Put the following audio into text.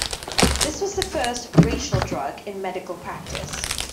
This was the first "racial drug" in medical practice.